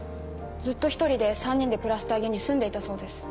ずっと一人で３人で暮らした家に住んでいたそうです。